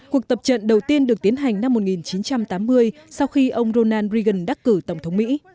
cuộc tập trận đầu tiên được tiến hành